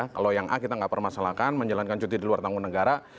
kalau yang a kita nggak permasalahkan menjalankan cuti di luar tanggung negara